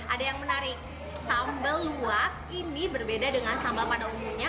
ada yang menarik sambal luwak ini berbeda dengan sambal pada umumnya